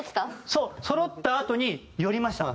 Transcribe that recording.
そうそろったあとに寄りました。